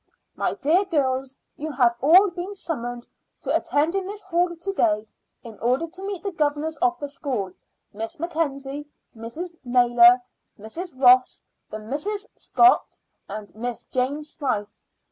My dear girls, you have all been summoned to attend in this hall to day in order to meet the governors of the school, Miss Mackenzie, Mrs. Naylor, Mrs. Ross, the Misses Scott, and Miss Jane Smyth.